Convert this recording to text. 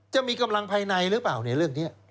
จะมีกำลังภายในหรือเปล่าในเรื่องนี้